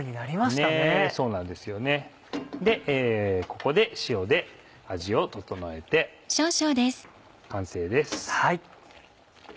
ここで塩で味を調えて完成です。